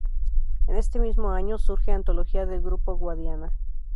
En este mismo año, surge "Antología del Grupo Guadiana.